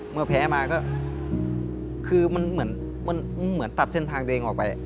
เมื่อแพ้มาก็คือมันเหมือนตัดเส้นทางตัวเองออกไป